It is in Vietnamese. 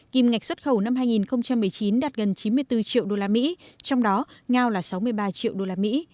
kim ngạch xuất khẩu năm hai nghìn một mươi chín đạt gần chín mươi bốn triệu usd trong đó ngao là sáu mươi ba triệu usd